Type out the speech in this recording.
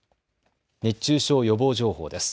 熱中症予防情報です。